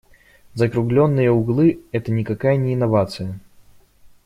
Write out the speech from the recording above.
Закруглённые углы - это никакая не инновация.